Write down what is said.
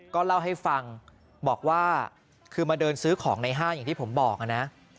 ก็เล่าให้ฟังบอกว่าคือมาเดินซื้อของในห้างอย่างที่ผมบอกนะ